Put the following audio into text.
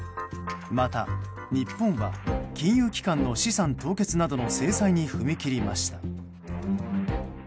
また日本は金融機関の資産凍結などの制裁に踏み切りました。